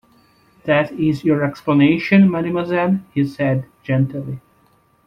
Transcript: "That is your explanation, mademoiselle," he said gently.